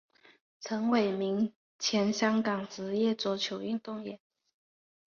陈伟明前香港职业桌球运动员。